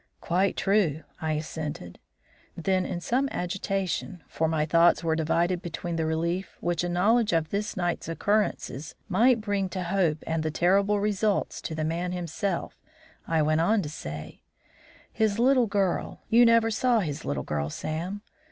"Quite true." I assented. Then, in some agitation, for my thoughts were divided between the relief which a knowledge of this night's occurrences might bring to Hope and the terrible results to the man himself, I went on to say: "His little girl you never saw his little girl, Sam.